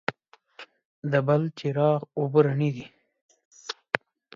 د بلچراغ اوبه رڼې دي